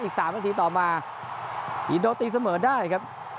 อีก๓นาทีต่อมาอินโดตีเสมอได้ครับ